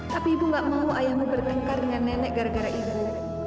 tapi ibu gak mau ayahmu bertengkar dengan nenek gara gara ibu